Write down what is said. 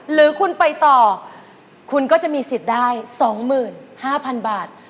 หรือคุณไปต่อคุณก็จะมีสิทธิ์ได้๒๕๐๐๐บาท